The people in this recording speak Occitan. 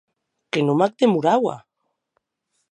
Que non m’ac demoraua!